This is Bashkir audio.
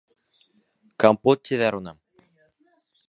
Компот тиҙәр уны.